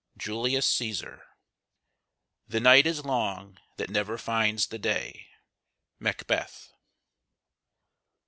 JULIUS CÆSAR. The night is long that never finds the day. MACBETH.